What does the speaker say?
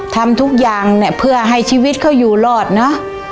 ทำทุกอย่างเนี่ยเพื่อให้ชีวิตเขาอยู่รอดเนอะ